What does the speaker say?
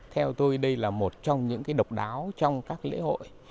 theo tôi đây là một trong những độc đáo trong các lễ hội